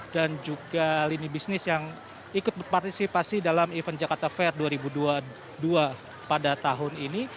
dan juga lini bisnis yang ikut berpartisipasi dalam event jakarta fair dua ribu dua puluh dua pada tahun ini